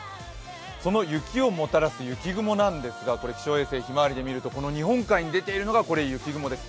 その雪をもたらす雪雲なんですが気象衛星ひまわりで見ると、日本海に出ているのが雪雲です。